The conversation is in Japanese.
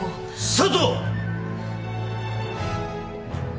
佐都！